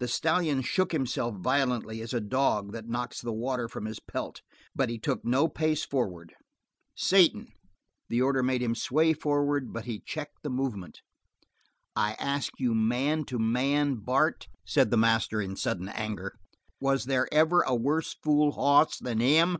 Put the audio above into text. The stallion shook himself violently as a dog that knocks the water from his pelt, but he took no pace forward. "Satan!" The order made him sway forward, but he checked the movement. "I ask you man to man, Bart," said the master in sudden anger, "was there ever a worse fool hoss than him?